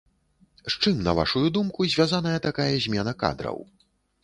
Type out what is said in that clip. З чым, на вашую думку, звязаная такая змена кадраў?